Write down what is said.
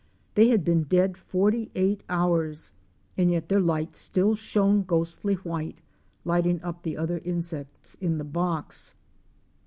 They had been dead forty eight hours and yet their light still shone ghostly white, lighting up the other insects in the box.